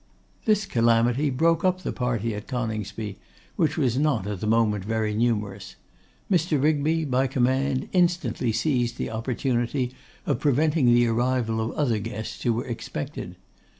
This calamity broke up the party at Coningsby, which was not at the moment very numerous. Mr. Rigby, by command, instantly seized the opportunity of preventing the arrival of other guests who were expected.